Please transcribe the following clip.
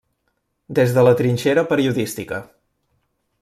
Des de la trinxera periodística.